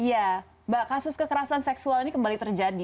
iya mbak kasus kekerasan seksual ini kembali terjadi